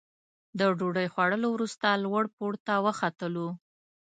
د ډوډۍ خوړلو وروسته لوړ پوړ ته وختلو.